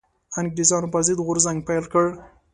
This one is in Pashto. انګرېزانو پر ضد غورځنګ پيل کړ